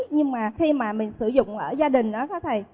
nhưng mà khi mà mình sử dụng ở gia đình đó các thầy